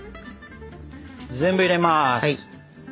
全部入れます。